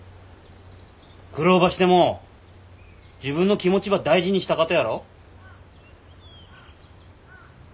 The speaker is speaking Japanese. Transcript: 苦労ばしても自分の気持ちば大事にしたかとやろ？